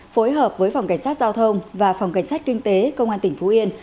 phối hợp với phòng cảnh sát giao thông và phòng cảnh sát kinh tế công an tỉnh phú yên